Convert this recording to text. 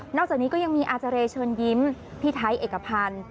อกจากนี้ก็ยังมีอาเจรเชิญยิ้มพี่ไทยเอกพันธ์